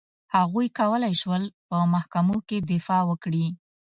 هغوی کولای شول په محکمو کې دفاع وکړي.